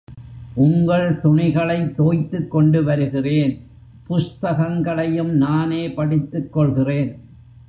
உங்கள் துணிகளைத் தோய்த்துக் கொண்டு வருகிறேன், புஸ்தகங்களையும் நானே படித்துக் கொள்கிறேன்.